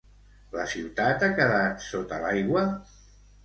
La ciutat ha quedat sota l'aigua?